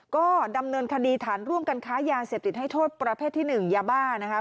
ก็ดำเนินคดีฐานร่วมกันค้ายาเสพติดให้โทษประเภทที่๑ยาบ้านะครับ